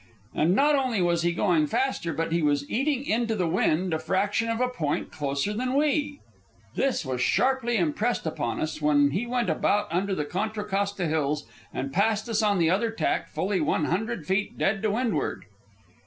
And not only was he going faster, but he was eating into the wind a fraction of a point closer than we. This was sharply impressed upon us when he went about under the Contra Costa Hills and passed us on the other tack fully one hundred feet dead to windward.